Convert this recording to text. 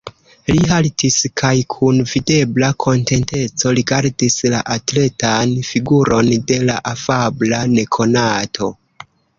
Li haltis kaj kun videbla kontenteco rigardis la atletan figuron de la afabla nekonato.